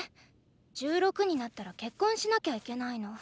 １６になったら結婚しなきゃいけないの。